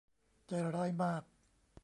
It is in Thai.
ใจร้ายมาก